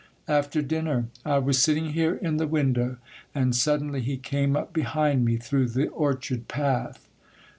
'After dinner. I was sitting here in the window, and suddenly he came up behind me through the orchard path.